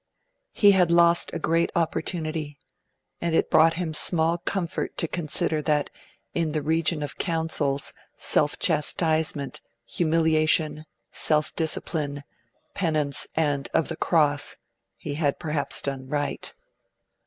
He had lost a great opportunity, and it brought him small comfort to consider that 'in the region of counsels, self chastisement, humiliation, self discipline, penance, and of the Cross', he had perhaps done right.